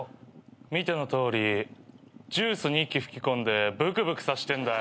見てのとおりジュースに息吹き込んでブクブクさせてんだよ。